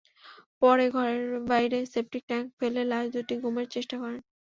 পরে ঘরের বাইরে সেপটিক ট্যাংকে ফেলে লাশ দুটি গুমের চেষ্টা করেন।